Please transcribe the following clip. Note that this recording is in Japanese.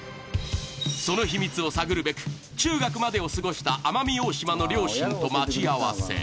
その秘密を探るべく、中学までを過ごした奄美大島の両親と待ち合わせ。